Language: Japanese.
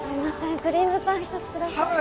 クリームパン一つください